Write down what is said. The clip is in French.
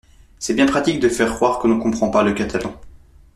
C'est bien pratique de faire croire qu'on ne comprend pas le catalan.